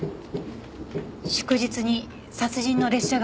「祝日に殺人の列車が走る」